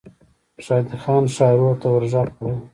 شادي خان ښارو ته ور ږغ کړل.